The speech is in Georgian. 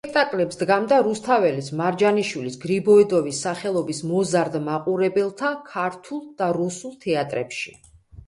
სპექტაკლებს დგამდა რუსთაველის, მარჯანიშვილის, გრიბოედოვის სახელობის მოზარდ მაყურებელთა ქართულ და რუსულ თეატრებში.